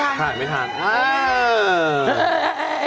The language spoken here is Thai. ถ่ายไม่ทันถ่ายไม่ทันถ่ายไม่ทัน